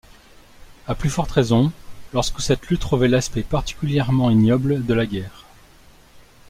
À plus forte raison, lorsque cette lutte revêt l’aspect particulièrement ignoble de la guerre.